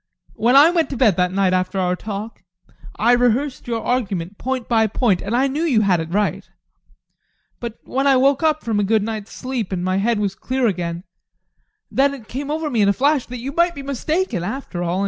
When I went to bed that night after our talk, I rehearsed your argument point by point, and I knew you had it right. But when I woke up from a good night's sleep and my head was clear again, then it came over me in a flash that you might be mistaken after all.